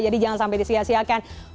jadi jangan sampai disiasiakan